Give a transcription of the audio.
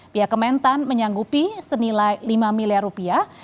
pihak kementan menyanggupi senilai lima miliar rupiah